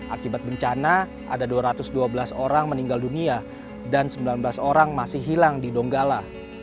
akibat bencana ada dua ratus dua belas orang meninggal dunia dan sembilan belas orang masih hilang di donggala